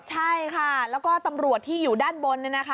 ใช่ค่ะแล้วก็ตำรวจที่อยู่ด้านบนเนี่ยนะคะ